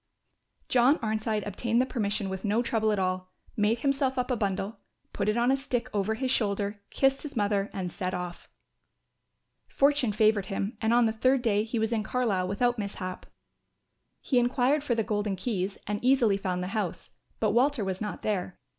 John Arnside obtained the permission with no trouble at all, made himself up a bundle, put it on a stick over his shoulder, kissed his mother and set off. Fortune favoured him and on the third day he was in Carlisle without mishap. He enquired for the Golden Keys and easily found the house, but Walter was not there.